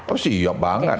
oh siap banget